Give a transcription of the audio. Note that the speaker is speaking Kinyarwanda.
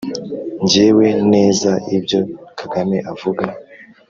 Ngewe neza ibyo kagame avuga